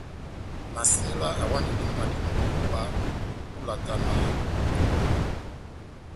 Masela awanindi mwadi mú kúba ó ilata na bokóká.